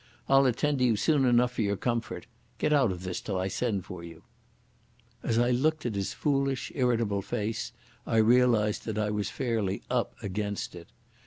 I'll attend to you soon enough for your comfort. Get out of this till I send for you." As I looked at his foolish, irritable face I realised that I was fairly UP against it.